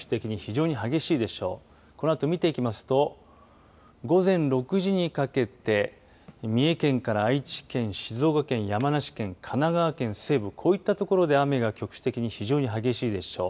このあと見ていきますと午前６時にかけて三重県から愛知県静岡県、山梨県神奈川県西部こういった所で雨が局地的に非常に激しいでしょう。